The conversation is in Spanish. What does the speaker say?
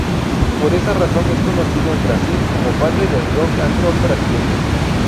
Por esa razón es conocido en Brasil como padre del rock and roll brasileño.